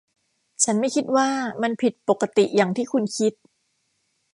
ฉันไม่คิดว่ามันผิดปกติอย่างที่คุณคิด